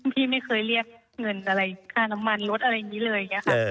พี่ไม่เคยเรียกเงินอะไรค่าน้ำมันรถอะไรอย่างนี้เลยอย่างนี้ค่ะ